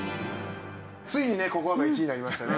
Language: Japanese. ついにねココアが１位になりましたね。